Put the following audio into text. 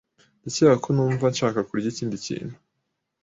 Ndakeka ko numvaga nshaka kurya ikindi kintu.